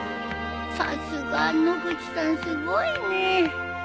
さすが野口さんすごいね。